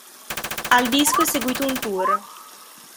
Al disco è seguito un tour.